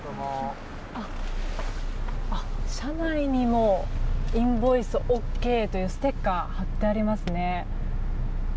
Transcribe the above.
車内にもインボイスＯＫというステッカーが貼ってありますね。